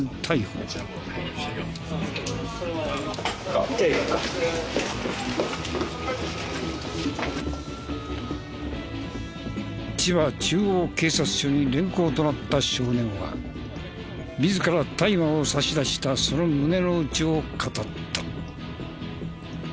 黒ハットの少年を千葉中央警察署に連行となった少年は自ら大麻を差し出したその胸の内を語った。